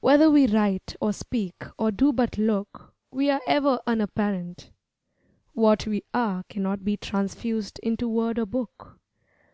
Whether we write or speak or do but look We are ever unapparent. What we are Cannot be transfused into word or book.